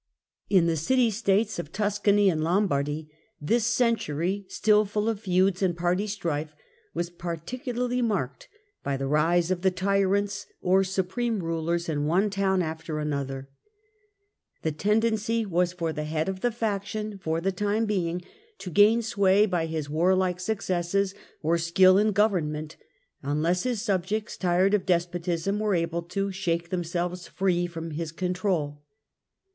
70 ITALY, 1313 11578 71 In the City States of Tuscany and Lombardy, this century, still full of feuds and party strife, was particu larly marked by the rise of "tyrants," or supreme Tyrants rulers, in one town after another. The tendency was for the head of the faction for the time being to gain sway by his warlike successes or skill in government, unless his subjects, tired of despotism, were able to shake them selves free from his control.